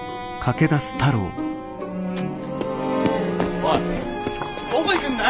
おいどこ行くんだよ！